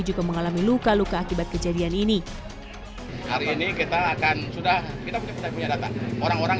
juga mengalami luka luka akibat kejadian ini hari ini kita akan sudah kita punya data orang orang